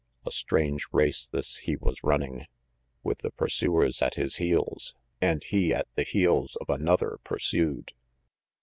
A strange race this he was running, with the pursuers at his heels, and he at the heels of another pursued!